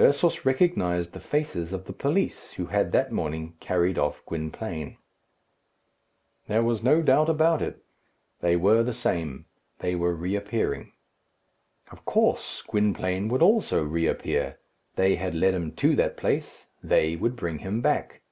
Ursus recognized the faces of the police who had that morning carried off Gwynplaine. There was no doubt about it. They were the same. They were reappearing. Of course, Gwynplaine would also reappear. They had led him to that place; they would bring him back.